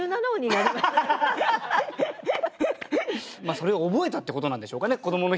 それを覚えたってことなんでしょうかねこどもの日に。